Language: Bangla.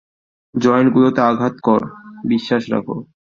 জয়েন্ট গুলোতে আঘাত কর, বিশ্বাস রাখো।